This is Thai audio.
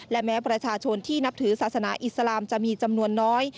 และแม้ประชาชนที่นับถือศาสนาอิสลามจะมีจำนวนน้อย